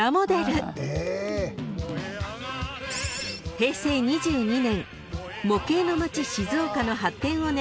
［平成２２年「模型のまち静岡」の発展を願い